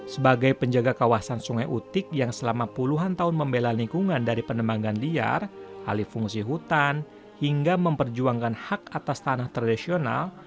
sebagai penjaga kawasan sungai utik yang selama puluhan tahun membela lingkungan dari penemangan liar alih fungsi hutan hingga memperjuangkan hak atas tanah tradisional